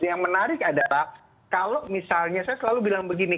yang menarik adalah kalau misalnya saya selalu bilang begini